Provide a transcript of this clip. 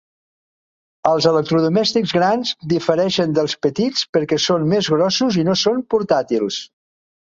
El electrodomèstics grans difereixen dels petits perquè són més grossos i no són portàtils.